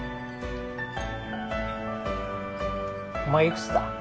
お前いくつだ？